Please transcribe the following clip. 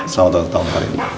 selamat ulang tahun pak rini